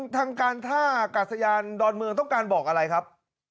ทางการท่ากาศยานดอนเมืองต้องการบอกอะไรครับ